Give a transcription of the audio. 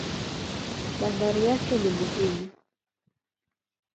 Bandari yake ni muhimu.